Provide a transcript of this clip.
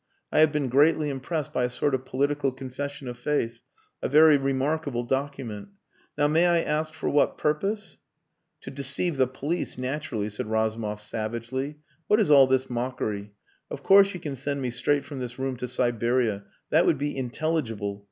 I have been greatly impressed by a sort of political confession of faith. A very remarkable document. Now may I ask for what purpose...." "To deceive the police naturally," said Razumov savagely.... "What is all this mockery? Of course you can send me straight from this room to Siberia. That would be intelligible.